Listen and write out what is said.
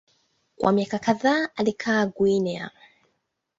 Kwa miaka kadhaa alikaa Guinea.